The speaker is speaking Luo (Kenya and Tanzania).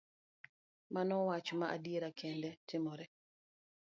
Mano wach ma adiera kendo timore.